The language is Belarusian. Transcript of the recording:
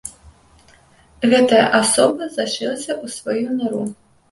Гэтая асоба зашылася ў сваю нару.